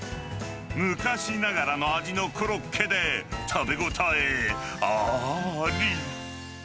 昔ながらの味のコロッケで食べ応えあり。